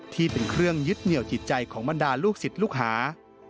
ที่เป็นเครื่องยึดเหนี่ยวจิตใจของบรรดาลูกศิษย์ลูกหา